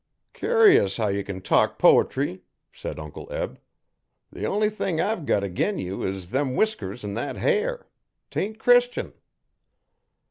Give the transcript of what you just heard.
'Cur'us how you can talk po'try,' said Uncle Eb. 'The only thing I've got agin you is them whiskers an' thet hair. 'Tain't Christian.'